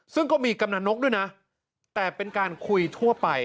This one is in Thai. ซึ่งก็มีกำลังนกด้วยนะแต่เป็นการคุยทั่วไป